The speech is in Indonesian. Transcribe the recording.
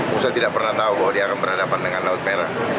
pusat tidak pernah tahu bahwa dia akan berhadapan dengan laut merah